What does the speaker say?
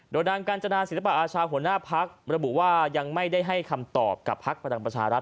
โดยนางกาญจนาศิลปะอาชาหัวหน้าพักระบุว่ายังไม่ได้ให้คำตอบกับพักพลังประชารัฐ